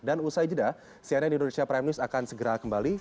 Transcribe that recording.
dan usai jeda cnn indonesia prime news akan segera kembali